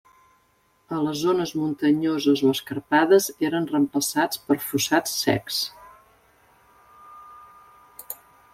A les zones muntanyoses o escarpades, eren reemplaçats per fossats secs.